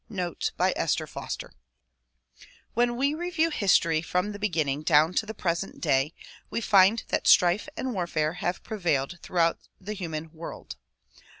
Notes by Esther Foster WHEN we review history from the beginning down to the present day we find that strife and warfare have prevailed throughout the human world.